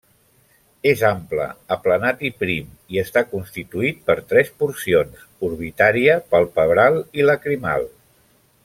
És ample, aplanat i prim, i està constituït per tres porcions: orbitaria, palpebral i lacrimal.